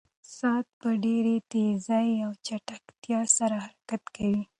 ساعت په ډېرې تېزۍ او چټکتیا سره حرکت کوي.